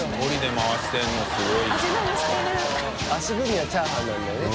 足踏みはチャーハンなんだね。